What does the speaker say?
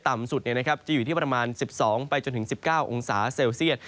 ต่ำสุดเนี่ยนะครับจะอยู่ที่ประมาณ๑๒๑๙องศาเซลเซียต